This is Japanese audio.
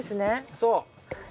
そう。